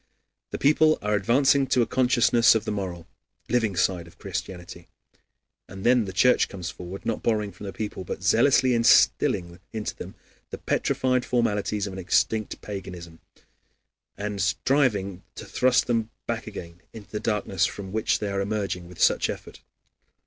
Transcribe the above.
The people are advancing to a consciousness of the moral, living side of Christianity. And then the Church comes forward, not borrowing from the people, but zealously instilling into them the petrified formalities of an extinct paganism, and striving to thrust them back again into the darkness from which they are emerging with such effort.